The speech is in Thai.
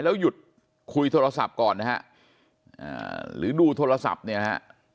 แล้วหยุดคุยโทรศัพท์ก่อนนะฮะหรือดูโทรศัพท์เนี่ยนะฮะ